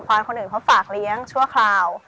ชื่องนี้ชื่องนี้ชื่องนี้ชื่องนี้ชื่องนี้